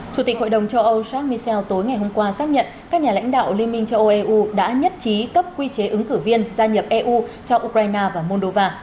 chủ tịch hội đồng châu âu jac michel tối ngày hôm qua xác nhận các nhà lãnh đạo liên minh châu âu eu đã nhất trí cấp quy chế ứng cử viên gia nhập eu cho ukraine và moldova